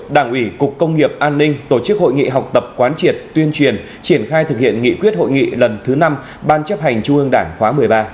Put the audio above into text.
đảng ủy cục công nghiệp an ninh tổ chức hội nghị học tập quán triệt tuyên truyền triển khai thực hiện nghị quyết hội nghị lần thứ năm ban chấp hành trung ương đảng khóa một mươi ba